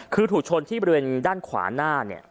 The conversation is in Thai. คือถูกชนที่บริเวณด้านขวาหน้าเนี่ย